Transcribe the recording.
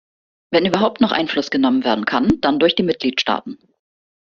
Wenn überhaupt noch Einfluss genommen werden kann, dann durch die Mitgliedstaaten.